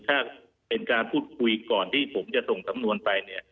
ถ้าเป็นการพูดคุยก่อนที่ผมจะส่งสำนวนไปเนี่ย